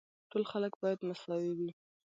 ټول خلک باید مساوي وي.